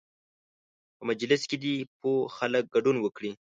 په مجلس کې دې پوه خلک ګډون وکړي.